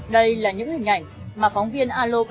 đây là những hình ảnh mà phóng viên aloba tám mươi chín